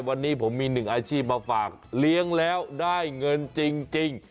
วันนี้ผมมีหนึ่งอาชีพมาฝากเลี้ยงแล้วได้เงินจริง